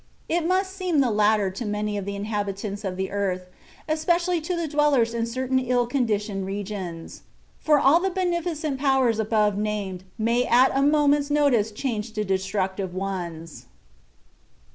It must seem the latter to many of the inhabitants of the earth, especially to the dwellers in certain ill conditioned regions. For all the beneficent powers above named may at a moment's notice change to destructive ones.